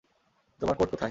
তোমার কোট কোথায়?